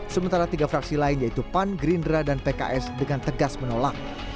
sementara tiga fraksi lain yaitu pan gerindra dan pks dengan tegas menolak